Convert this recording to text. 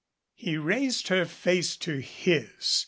He raised her face to his.